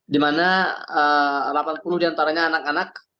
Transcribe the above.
di mana delapan puluh di antaranya anak anak